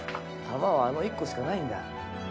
球はあの１個しかないんだ